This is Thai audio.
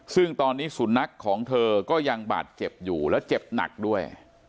ซึ่งตอนนี้สุนัขของเธอก็ยังบาดเจ็บอยู่และเจ็บหนักด้วย